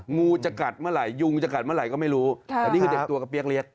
งูจะกัดเมื่อไหยุงจะกัดเมื่อไหร่ก็ไม่รู้แต่นี่คือเด็กตัวกระเปี๊ยกเล็ก